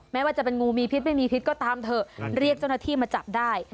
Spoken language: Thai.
ไม่ว่าจะเป็นงูมีพิษไม่มีพิษก็ตามเถอะเรียกเจ้าหน้าที่มาจับได้